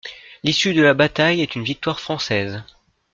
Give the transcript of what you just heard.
L’issue de la bataille est une victoire française.